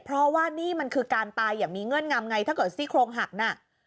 เพราะว่านี่มันคือการตายอย่างมีเงื่อนงำไงถ้าเกิดซี่โครงหักน่ะ